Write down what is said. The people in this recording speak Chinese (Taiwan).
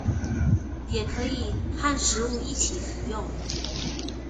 也可以和食物一起服用